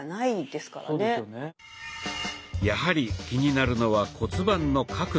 やはり気になるのは骨盤の角度。